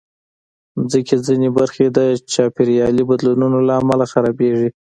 د مځکې ځینې برخې د چاپېریالي بدلونونو له امله خرابېږي.